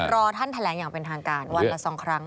รอท่านแถลงอย่างเป็นทางการวันละ๒ครั้ง